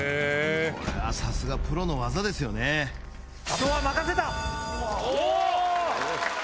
これはさすがプロの技ですよねおぉ！